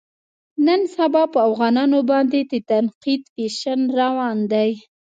نن سبا په افغانانو باندې د تنقید فیشن روان دی.